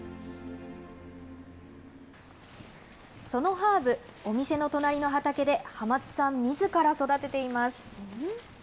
そのハーブ、お店の隣の畑で、浜津さんみずから育てています。